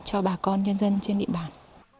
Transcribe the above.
cho bà con nhân dân trên địa bàn